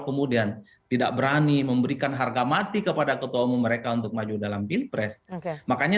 kemudian tidak berani memberikan harga mati kepada ketua umum mereka untuk maju dalam pilpres makanya